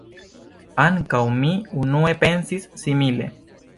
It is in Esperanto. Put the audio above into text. Ankaŭ mi unue pensis simile.